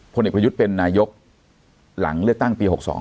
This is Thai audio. ผลเด็กพฤยุทธ์เป็นนายกหลังเลือดตั้งปีหกสอง